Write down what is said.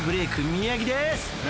宮城でーす！］